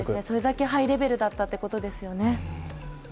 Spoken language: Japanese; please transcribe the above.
それだけハイレベルだったということですよね。